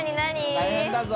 大変だぞ。